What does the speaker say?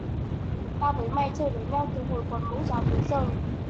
Tao với mày chơi với nhau từ hồi còn mẫu giáo tới giờ